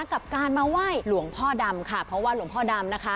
กับการมาไหว้หลวงพ่อดำค่ะเพราะว่าหลวงพ่อดำนะคะ